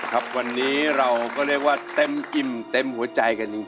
ครับวันนี้เราก็เรียกว่าเต็มอิ่มเต็มหัวใจกันจริง